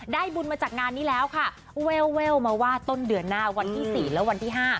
บุญมาจากงานนี้แล้วค่ะแววมาว่าต้นเดือนหน้าวันที่๔และวันที่๕